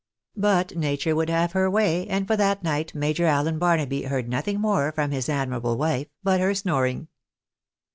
But nature would have her way, and for that night Major Allen Barnaby heard nothing more from his admirable wife but her snoring.